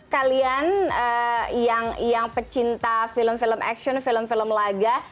kalian yang pecinta film film action film film laga